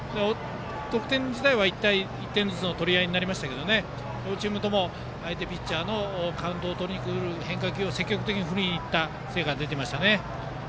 得点自体は１点ずつの取り合いになりましたけど両チームとも相手ピッチャーのカウントを取りに来る変化球を積極的に振りにいった成果が出ていましたね。